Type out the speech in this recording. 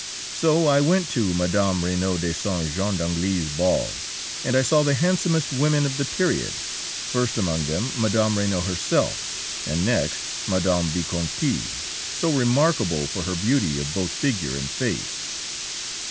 So I went to Mme. Regnault de Saint Jean d'Angély's ball, and I saw the handsomest women of the period, first among them Mme. Regnault herself, and next Mme. Visconti, so remarkable for her beauty of both figure and face.